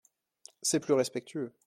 C’est plus respectueux.